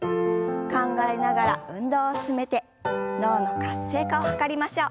考えながら運動を進めて脳の活性化を図りましょう。